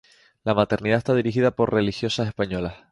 La maternidad está dirigida por religiosas españolas.